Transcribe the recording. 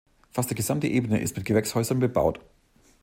Fast die gesamte Ebene ist mit Gewächshäusern bebaut.